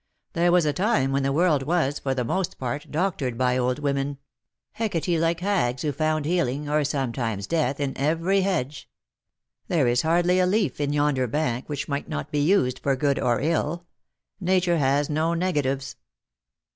There was a time when the world was, for themost part, doctored by old women ; Hecate like hags who found healing — or sometimes death — in every hedge. There is hardly a leaf in yonder bank which might not be used for good or ill. Nature has no negatives."